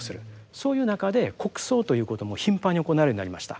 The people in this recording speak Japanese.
そういう中で国葬ということも頻繁に行われるようになりました。